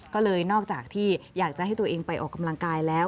ก็เลยนอกจากที่อยากจะให้ตัวเองไปออกกำลังกายแล้ว